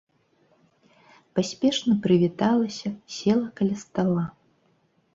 Паспешна прывіталася, села каля стала.